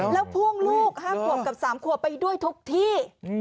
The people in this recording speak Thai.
แล้วพ่วงลูก๕ขวบกับ๓ขวบไปด้วยทุกที่